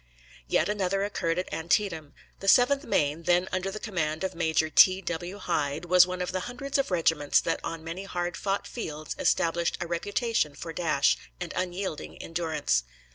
Yet another occurred at Antietam. The 7th Maine, then under the command of Major T. W. Hyde, was one of the hundreds of regiments that on many hard fought fields established a reputation for dash and unyielding endurance.